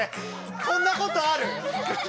こんなことある？